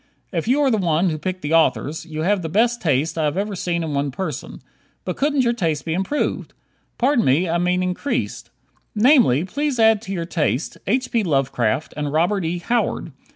If you are the one who picked the authors, you have the best taste I have ever seen in one person. But couldn't your taste be improved? Pardon me, I mean increased. Namely, please add to your taste: H. P. Lovecraft and Robert E. Howard.